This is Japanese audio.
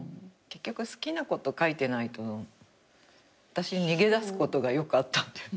結局好きなこと描いてないと私逃げ出すことがよくあったんだよ。